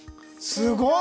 すごい！